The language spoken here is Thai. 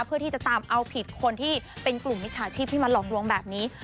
เพื่อที่จะตามเอาผิดคนที่เป็นกลุ่มมิจฉาชีพที่มาหลอกลวงแบบนี้